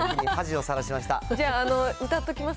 じゃあ、歌っときます？